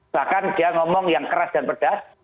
bahkan dia ngomong yang keras dan pedas